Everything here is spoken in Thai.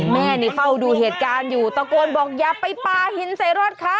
แม่นี่เฝ้าดูเหตุการณ์อยู่ตะโกนบอกอย่าไปปลาหินใส่รถเขา